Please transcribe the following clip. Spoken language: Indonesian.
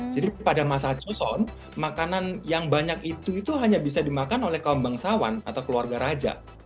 jadi pada masa choson makanan yang banyak itu hanya bisa dimakan oleh kaum bangsawan atau keluarga raja